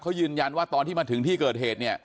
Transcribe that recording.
เขายืนยันว่าตอนที่มาถึงที่เกิดเหตุเนี่ย